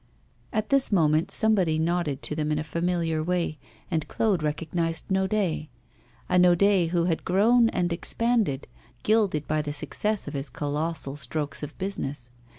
At this moment somebody nodded to them in a familiar way, and Claude recognised Naudet a Naudet who had grown and expanded, gilded by the success of his colossal strokes of business.